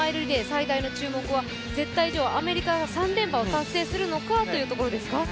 最大の注目は絶対女王アメリカが３連覇を達成するのかというところですか？